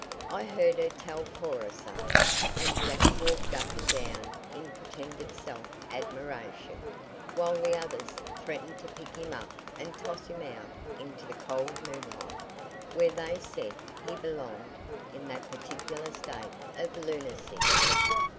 I heard her tell Cora so," and Jack walked up and down in pretended self admiration, while the others threatened to pick him up and toss him out into the cold moonlight, where they said he belonged in that particular state of lunacy.